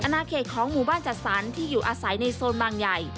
นาเขตของหมู่บ้านจัดสรรที่อยู่อาศัยในโซนบางใหญ่